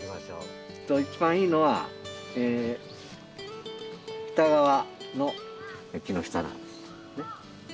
一番いいのは北側の木の下なんですね。